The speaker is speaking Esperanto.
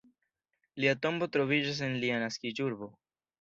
Lia tombo troviĝas en lia naskiĝurbo.